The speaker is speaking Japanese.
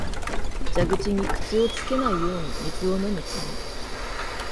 蛇口に口をつけないように水を飲む君、